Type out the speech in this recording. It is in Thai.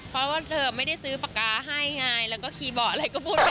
เพราะว่าเธอไม่ได้ซื้อปากกาให้ไงแล้วก็คีย์บอร์ดอะไรก็พูดไป